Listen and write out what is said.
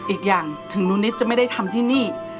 อีกอย่างถึงหนูนิดจะไม่ได้ทำที่นี่